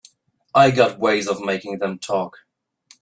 I got ways of making them talk.